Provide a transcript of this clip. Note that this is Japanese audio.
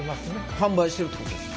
販売してるってことですよね？